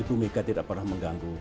ibu mega tidak pernah mengganggu